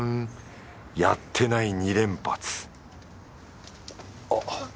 やってない２連発あっ。